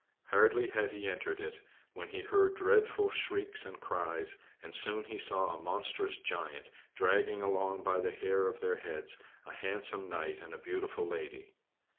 Hardly had he entered it when he heard dreadful shrieks and cries, and soon he saw a monstrous giant dragging along by the hair of their heads a handsome knight and a beautiful lady.